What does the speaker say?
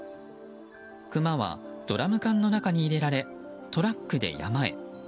クマはドラム缶の中に入れられトラックで山へ。